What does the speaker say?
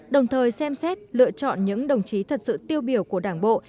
đồng thời xem xét lựa chọn những đồng chí thật sự tiêu biểu của đảng bộ